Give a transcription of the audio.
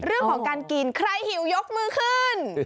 เรื่องของการกินใครหิวยกมือขึ้น